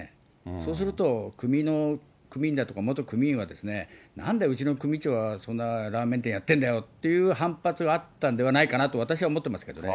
そうすると、組の組員だとか、元組員は、なんでうちの組長はそんなラーメン店やってるんだよっていう反発があったんではないかなと、私は思ってますけどね。